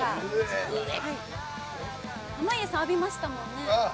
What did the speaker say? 濱家さん、浴びましたもんね。